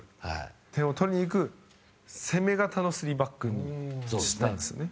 点を取りに行く、攻め型の３バックにしたんですよね。